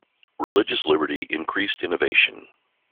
Religious liberty increased innovation.